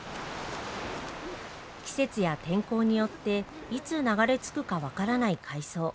季節や天候によっていつ流れ着くか分からない海藻。